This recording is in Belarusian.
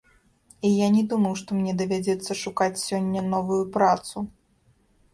І я не думаў, што мне давядзецца шукаць сёння новую працу.